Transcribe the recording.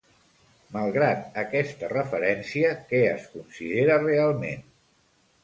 Malgrat aquesta referència, què es considera realment?